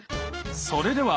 それでは！